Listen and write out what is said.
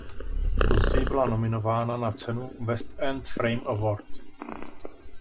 Později byla nominována na cenu West End Frame Award.